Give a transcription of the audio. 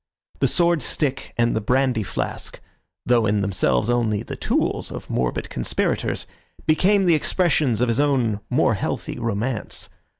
The sword stick and the brandy flask, though in themselves only the tools of morbid conspirators, became the expressions of his own more healthy romance.